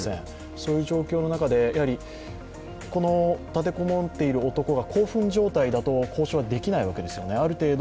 そういう状況の中でこの立て籠もっている男が興奮状態だと交渉はできないわけですよね？